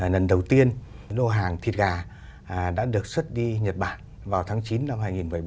lần đầu tiên lô hàng thịt gà đã được xuất đi nhật bản vào tháng chín năm hai nghìn một mươi bảy